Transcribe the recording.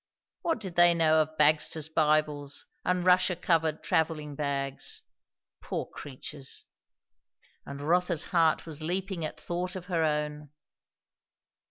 What did they know of Bagster's Bibles and Russia covered travelling bags? Poor creatures! And Rotha's heart was leaping at thought of her own.